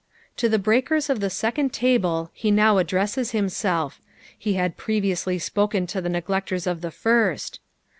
To the breakers of the second table he now addresses himself ; he had previously spoken to the neglectera of the first.